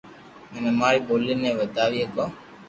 ھين اماري ٻولي ني وداوي ھگو